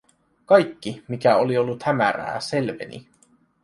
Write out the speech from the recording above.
Kaikki, mikä oli ollut hämärää, selveni.